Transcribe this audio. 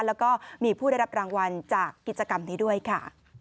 แล้วก็มีผู้ได้รับรางวัลจากกิจกรรมนี้ด้วยค่ะ